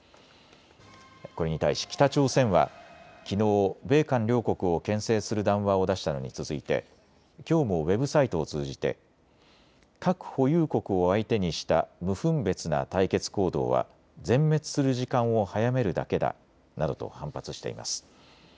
これに対し北朝鮮はきのう米韓両国をけん制する談話を出したのに続いてきょうもウェブサイトを通じて核保有国を相手にした無分別な対決行動は全滅する時間を早めるだけだなどと反発しています。